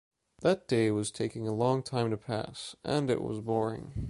That day was taking a long time to pass, and it was boring.